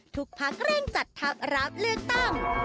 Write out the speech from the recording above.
ทุกพักเร่งจัดทัพรับเลือกตั้ง